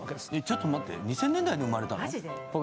ちょっと待って２０００年代に生まれたの？